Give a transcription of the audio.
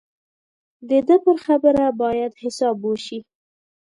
د ده پر خبره باید حساب وشي.